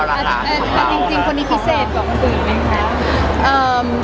คนนี้พี่เกิดของคนอื่นไหมคะ